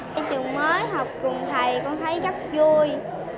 trong trường mới học cùng thầy con thấy rất vui